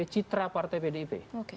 citra partai pdip